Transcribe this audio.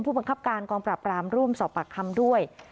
บังคับการกองปราบรามร่วมสอบปากคำด้วย